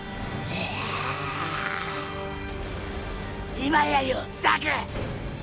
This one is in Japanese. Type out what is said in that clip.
今やよザク！！